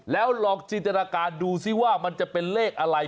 แล้วลองจินตนาการดูซิว่ามันจะเป็นเลขอะไร